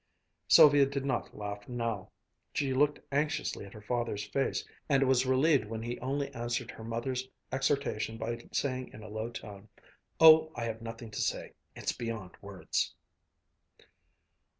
Sylvia did not laugh now. She looked anxiously at her father's face, and was relieved when he only answered her mother's exhortation by saying in a low tone: "Oh, I have nothing to say. It's beyond words!"